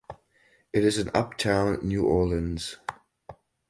It is in Uptown New Orleans.